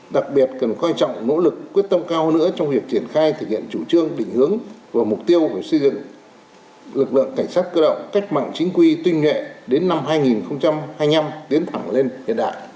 đặc biệt cần coi trọng nỗ lực quyết tâm cao nữa trong việc triển khai thực hiện chủ trương định hướng và mục tiêu về xây dựng lực lượng cảnh sát cơ động cách mạng chính quy tinh ngệ đến năm hai nghìn hai mươi năm tiến thẳng lên hiện đại